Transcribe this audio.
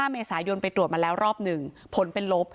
เมษายนไปตรวจมาแล้วรอบ๑ผลเป็นลบ